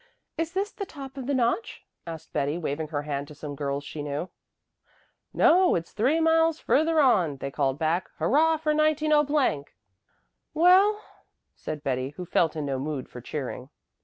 "Is this the top of the notch?" asked Betty, waving her hand to some girls she knew. "No, it's three miles further on," they called back. "Hurrah for 190 !" "Well?" said Betty, who felt in no mood for cheering.